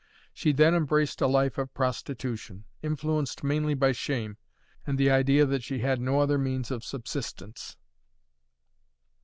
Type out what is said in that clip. She then embraced a life of prostitution, influenced mainly by shame, and the idea that she had no other means of subsistence.